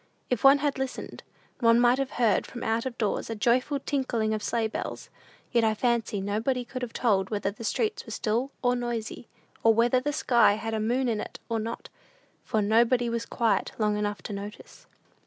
If one had listened, one might have heard, from out of doors, a joyful tinkling of sleigh bells; yet I fancy nobody could have told whether the streets were still or noisy, or whether the sky had a moon in it or not; for nobody was quiet long enough to notice.